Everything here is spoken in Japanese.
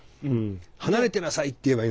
離れてなさいって言えばいいのにね。